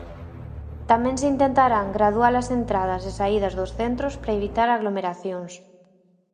Tamén se intentarán graduar as entradas e saídas dos centros para evitar aglomeracións.